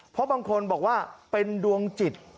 เพราะบางคนบอกว่าเป็นดวงจิต